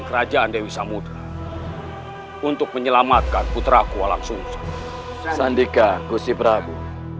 kerajaan dewi samudera untuk menyelamatkan putrakua langsung sandika gusti prabu